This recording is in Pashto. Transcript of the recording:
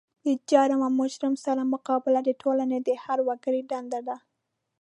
د جرم او مجرم سره مقابله د ټولنې د هر وګړي دنده ده.